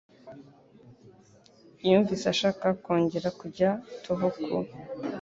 Yumvise ashaka kongera kujya Tohoku.